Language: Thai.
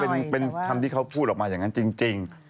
แต่มันก็เป็นคำที่เขาพูดออกมาจากนั้นจริง